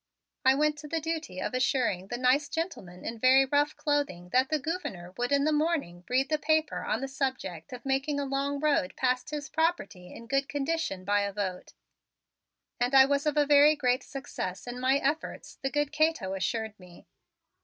I went to the duty of assuring the nice gentleman in very rough clothing that the Gouverneur would in the morning read the paper on the subject of making a long road past his property in good condition by a vote, and I was of a very great success in my efforts, the good Cato assured me.